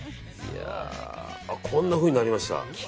こんなふうになりました。